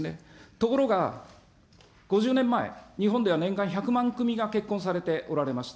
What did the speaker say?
ところが、５０年前、日本では年間１００万組が結婚されておられました。